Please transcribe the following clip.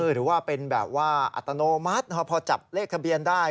หรือว่าเป็นแบบว่าอัตโนมัติพอจับเลขทะเบียนได้